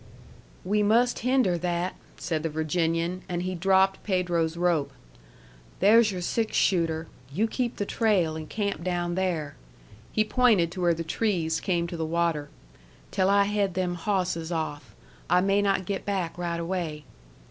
"We must hinder that," said the Virginian; and he dropped Pedro's rope. "There's your six shooter. You keep the trail, and camp down there" he pointed to where the trees came to the water "till I head them hawsses off. I may not get back right away."